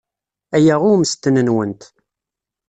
Aya i ummesten-nwent.